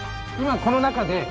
今この中で。